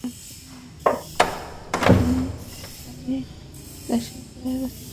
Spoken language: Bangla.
তিনি কালিদাসের রচনার সাথে পরিচিত ছিলেন।